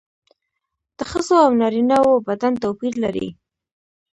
د ښځو او نارینه وو بدن توپیر لري